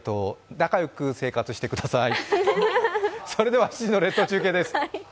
仲良く生活してください。